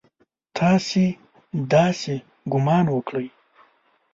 تاسې داسې ګومان وکړئ!